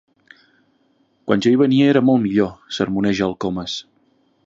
Quan jo hi venia era molt millor —sermoneja el Comas—.